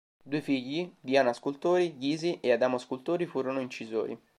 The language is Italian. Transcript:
Due figli, Diana Scultori Ghisi e Adamo Scultori, furono incisori.